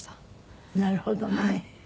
なるほどね。